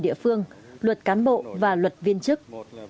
địa phương luật cán bộ và luật viên chức